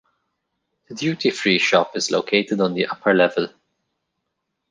The duty-free shop is located on the upper level.